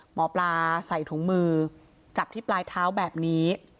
หมอปลาใส่ถุงมือจับที่ปลายเท้าแบบนี้